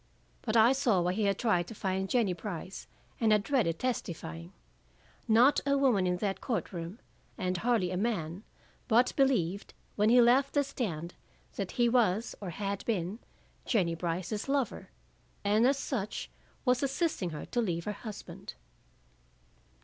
But I saw why he had tried to find Jennie Brice, and had dreaded testifying. Not a woman in that court room, and hardly a man, but believed when he left the stand, that he was, or had been, Jennie Brice's lover, and as such was assisting her to leave her husband.